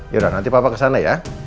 yaudah nanti papa kesana ya